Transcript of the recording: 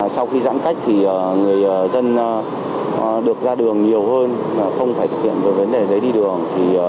sau khi giãn cách thì người dân được ra đường nhiều hơn không phải thực hiện được vấn đề giấy đi đường